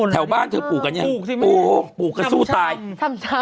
แถวบ้านเธอปลูกกันไงปลูกกันสู้ตายซ้ำ